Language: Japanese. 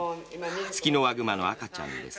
ツキノワグマの赤ちゃんです。